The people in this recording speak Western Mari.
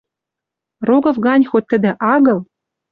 Рогов гань хоть тӹдӹ агыл